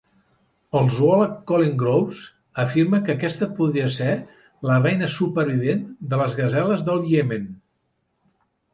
El zoòleg Colin Groves afirma que aquesta podria ser la reina supervivent de les gaseles del Iemen.